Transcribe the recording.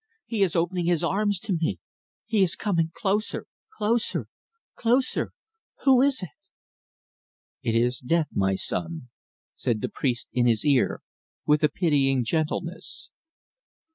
He is opening his arms to me. He is coming closer closer. Who is it?" "It is Death, my son," said the priest in his ear, with a pitying gentleness.